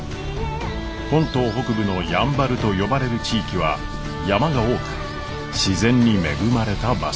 本島北部の「やんばる」と呼ばれる地域は山が多く自然に恵まれた場所です。